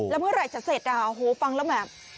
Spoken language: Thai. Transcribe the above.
แล้วเมื่อไหร่จะเสร็จฟังแล้วแบบ